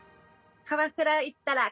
鎌倉行ったら